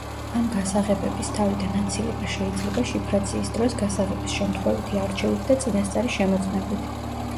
ამ გასაღებების თავიდან აცილება შეიძლება შიფრაციის დროს გასაღების შემთხვევითი არჩევით და წინასწარი შემოწმებით.